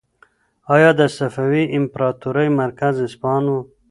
ایا د صفوي امپراطورۍ مرکز اصفهان و؟